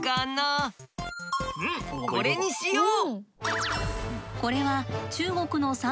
うんこれにしよう！